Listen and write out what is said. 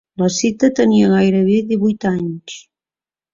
La cita tenia gairebé divuit anys.